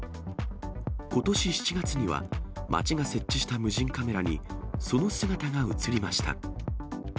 ことし７月には、町が設置した無人カメラに、その姿が写りました。